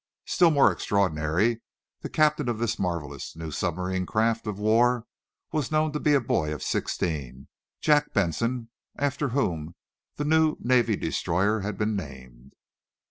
Still more extraordinary, the captain of this marvelous new submarine craft of war was known to be a boy of sixteen Jack Benson, after whom the new navy destroyer had been named.